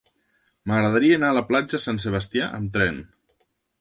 M'agradaria anar a la platja Sant Sebastià amb tren.